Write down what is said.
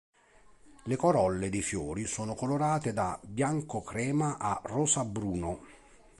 Le corolle dei fiori sono colorate da bianco-crema a rosa-bruno.